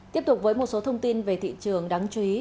tiếp tục với một số thông tin về thị trường đáng chú ý